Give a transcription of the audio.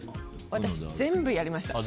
私、全部やりました。